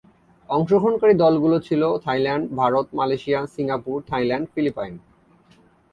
অংশগ্রহণকারী দলগুলি ছিল Thailand, Bharat, Malaysia, Singapore, Thailand, Philippine.